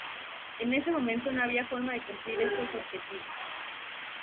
En ese momento no había forma de cumplir estos objetivos.